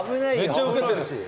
めっちゃウケてるし。